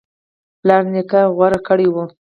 پلار نیکه غوره کړی و